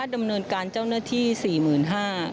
ดำเนินการเจ้าหน้าที่๔๕๐๐บาท